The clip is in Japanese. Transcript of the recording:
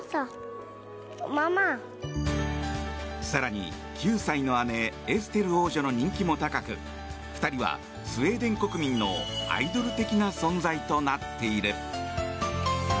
更に、９歳の姉エステル王女の人気も高く２人はスウェーデン国民のアイドル的な存在となっている。